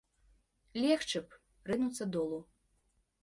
Легчы б, рынуцца долу.